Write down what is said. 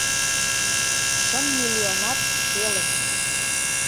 — Шым миллионат пеле...